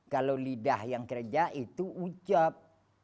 kalau lidah yang kerja itu ucap